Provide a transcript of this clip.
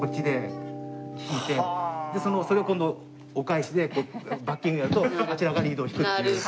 それを今度お返しでバッキングやるとあちらがリードを弾くっていう。